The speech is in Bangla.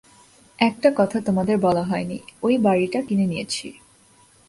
একটা কথা তোমাদের বলা হয় নি, ঐ বাড়িটা কিনে নিয়েছি।